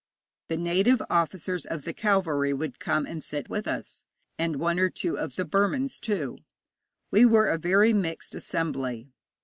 The native officers of the cavalry would come and sit with us, and one or two of the Burmans, too. We were a very mixed assembly.